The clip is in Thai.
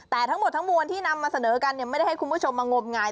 แต่ทั้งหมดทั้งมวลที่นำมาเสนอกันไม่ได้ให้คุณผู้ชมมางมงาย